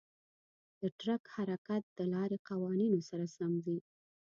د ټرک حرکت د لارې قوانینو سره سم وي.